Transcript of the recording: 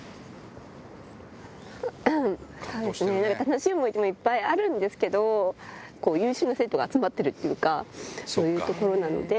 楽しい思い出もいっぱいあるんですけど、優秀な生徒が集まってるっていうか、そういう所なんで。